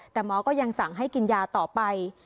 แต่หมอก็ยังสั่งให้กินยาต่อไป